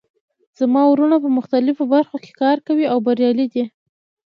زما وروڼه په مختلفو برخو کې کار کوي او بریالي دي